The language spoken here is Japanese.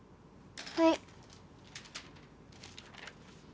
はい。